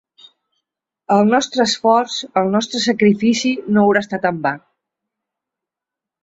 El nostre esforç, el nostre sacrifici no haurà estat en va.